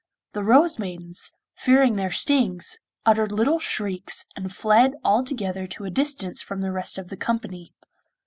The Rose maidens, fearing their stings, uttered little shrieks, and fled all together to a distance from the rest of the company.